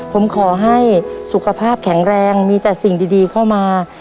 ผมขอให้สุขภาพแข็งแรงมีแต่สิ่งดีเข้ามา